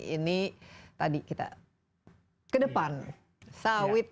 ada muhammad abdul ghani dari direktur utama holding perkebunan nusantara pt